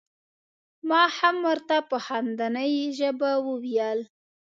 ما هم ور ته په خندنۍ ژبه وویل.